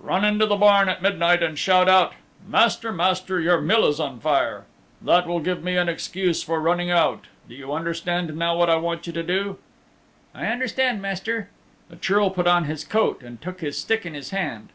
"Run into the barn at midnight and shout out, 'Master, Master, your mill is on fire.' That will give me an excuse for running out. Do you understand now what I want you to do?" "I understand, Master." The Churl put on his coat and took his stick in his hand.